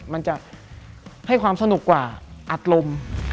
มันจะให้ความสนุกกว่าอัดลม